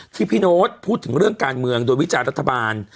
ที่พี่โน๊ตพูดถึงเรื่องการเมืองโดยวิจารณ์รัฐบาล